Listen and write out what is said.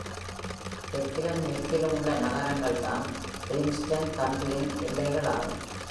தெற்கிலும் மேற்கிலும் உள்ள நகரங்கள்தாம் Livingston County-இன் எல்லைகளாகும்.